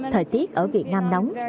thời tiết ở việt nam nóng